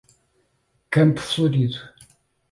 Campo Florido